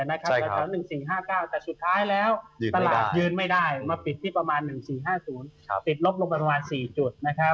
แถว๑๔๕๙แต่สุดท้ายแล้วตลาดยืนไม่ได้มาปิดที่ประมาณ๑๔๕๐ปิดลบลงไปประมาณ๔จุด